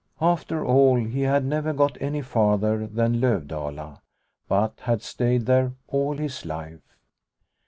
After all, he had never got any farther than Lovdala, but had stayed there all his life.